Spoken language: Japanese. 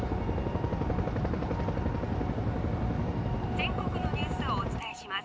「全国のニュースをお伝えします。